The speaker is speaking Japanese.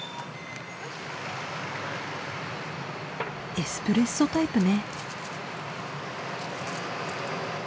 エスプレッソタイプね。